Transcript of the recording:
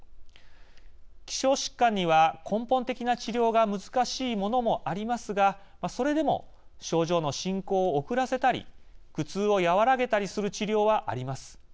希少疾患には根本的な治療が難しいものもありますがそれでも症状の進行を遅らせたり苦痛を和らげたりする治療はあります。